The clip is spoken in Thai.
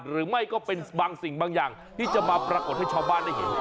หรือไม่ก็เป็นบางสิ่งบางอย่างที่จะมาปรากฏให้ชาวบ้านได้เห็น